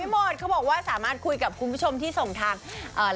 หมดเขาบอกว่าสามารถคุยกับคุณผู้ชมที่ส่งทาง